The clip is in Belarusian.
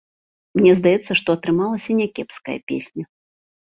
Мне здаецца, што атрымалася някепская песня.